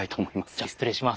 じゃ失礼します。